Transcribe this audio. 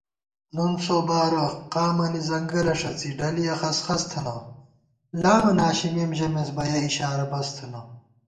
نُنسوبارہ قامَنی ځنگَلہ ݭڅی ڈلِیَہ خَسخَس تھنہ * لامہ ناشِمېم ژَمېس بہ یَک اِشارہ بس تھنہ